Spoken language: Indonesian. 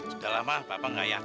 sudah lama papa gak yakni